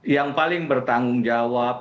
yang paling bertanggung jawab